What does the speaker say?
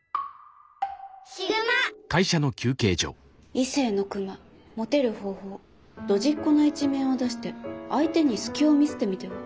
「『異性のクマモテる方法』ドジっ子な一面を出して相手に隙を見せてみては」。